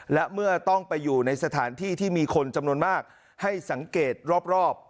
และเมื่อต้องไปอยู่ในสถานที่ที่มีคนจำนวนมากให้สังเกตรอบ